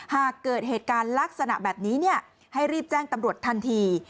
หากเกิดเหตุการณ์ลักษณะแบบนี้ให้รีบแจ้งตำรวจทันที